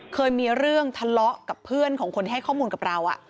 เคยมีเรื่องทะเลาะกับเพื่อนของคนที่ให้ข้อมูลกับเรา